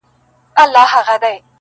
ويل زموږ د سر امان دي وې سلطانه!!